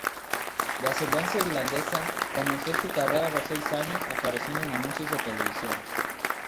De ascendencia irlandesa, comenzó su carrera a los seis años apareciendo en anuncios de televisión.